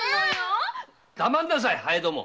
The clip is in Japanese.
黙んなさいハエども！